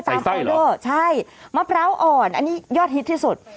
ไฟเลอร์ใช่มะพร้าวอ่อนอันนี้ยอดฮิตที่สุด